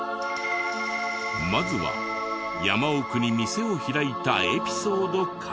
まずは山奥に店を開いたエピソードから。